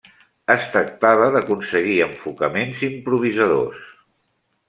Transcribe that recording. Es tractava d'aconseguir enfocaments improvisadors.